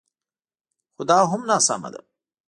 خو دا هم ناسمه ده